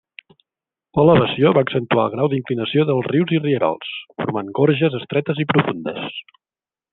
L'elevació va accentuar el grau d'inclinació dels rius i rierols, formant gorges estretes i profundes.